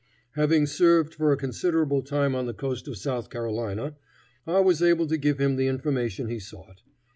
Having served for a considerable time on the coast of South Carolina, I was able to give him the information he sought.